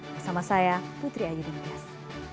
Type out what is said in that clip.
bersama saya putri ayu denjas